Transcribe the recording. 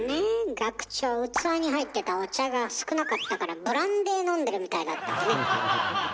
学長器に入ってたお茶が少なかったからブランデー飲んでるみたいだったわね。